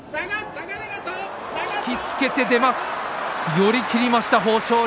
寄り切りました、豊昇龍